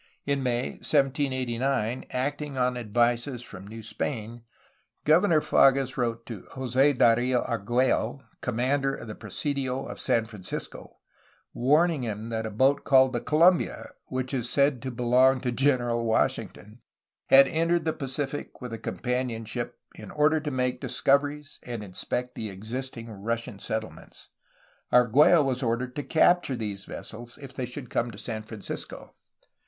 In May 1789, acting on advices from New Spain, Governor Fages wrote to Jos6 Dario Argiiello, com mander of the presidio of San Francisco, warning him that a boat called the Columbia, ''which is said to belong to General Washington,'' had entered the Pacific with a companion ship in order to make discoveries and inspect the existing Russian settlements. Argiiello was ordered to capture these vessels if they should come to San Francisco.